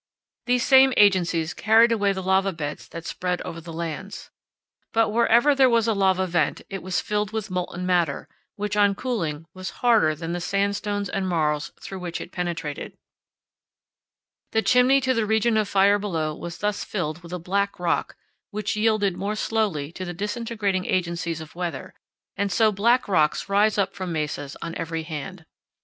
These same agencies carried away the lava beds that spread over the lands. But wherever there was a lava vent it was filled with molten matter, which on cooling was harder than the sandstones and marls through which it penetrated. The chimney to the region of fire below was thus filled with a black rock which yielded more 48 powell canyons 24.jpg A GROUP OF NECKS NEAR MOUNT TAYLOR. slowly to the disintegrating agencies of weather, and so black rocks rise up from mesas on every hand.